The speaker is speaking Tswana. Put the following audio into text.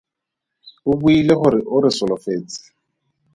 O buile gore o re solofetse.